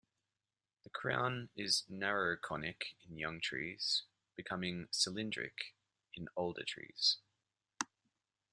The crown is narrow conic in young trees, becoming cylindric in older trees.